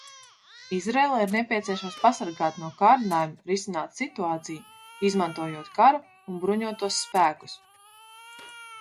Izraēlu ir nepieciešams pasargāt no kārdinājuma risināt situāciju, izmantojot karu un bruņotos spēkus.